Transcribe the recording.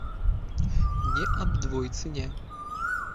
Не аб двойцы, не!